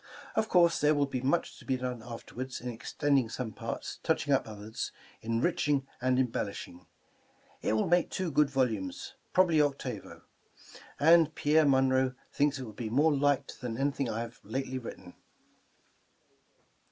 Of course, there will be much to be done af terward, in extending some parts, touching up others, enriching and embellishing. It will make two good volumes — probably octavo; and Pierre Munroe thinks it will be more liked than anything I have lately writ ten.